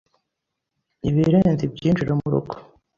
ibirenze ibyinjira mu rugo.